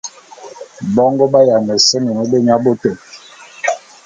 Bongo ba’ayiana seme beyaboto.